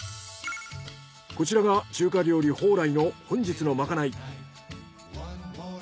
こちらが中華料理宝来の本日のまかない。